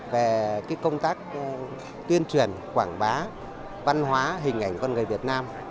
về công tác tuyên truyền quảng bá văn hóa hình ảnh con người việt nam